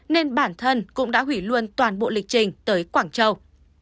nên bản thân cũng đã hủy luôn toàn bộ lịch trình tới quảng châu